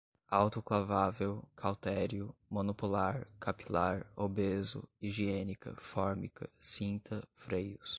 autoclavável, cautério, monopolar, capilar, obeso, higiênica, fórmica, cinta, freios